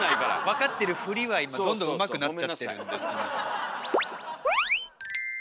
分かってるフリは今どんどんうまくなっちゃってるんですいません。